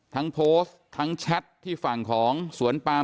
ทั้งโพสต์ทั้งแชทที่ฝั่งของสวนปาม